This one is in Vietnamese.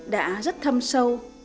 đã rất thâm sâu